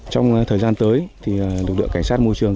trong thời gian tới thì lực lượng cảnh sát môi trường